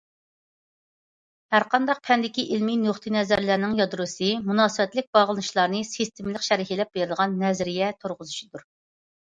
ھەرقانداق پەندىكى ئىلمىي نۇقتىئىنەزەرلەرنىڭ يادروسى- مۇناسىۋەتلىك باغلىنىشلارنى سىستېمىلىق شەرھلەپ بېرىدىغان نەزەرىيە تۇرغۇزۇشتۇر.